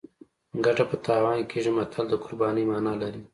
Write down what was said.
ګټه په تاوان کیږي متل د قربانۍ مانا لري